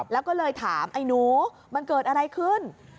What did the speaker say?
แล้วก็เลยถามไอ้หนูมันเกิดอะไรขึ้น